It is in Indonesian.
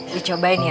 dicobain ya bu